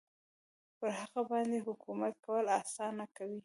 پر هغه باندې حکومت کول اسانه کوي.